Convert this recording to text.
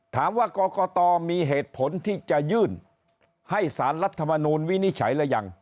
ถามว่ากรกตมีเหตุผลที่จะยื่นให้สารรัฐมนูลวินิจฉัยหรือยัง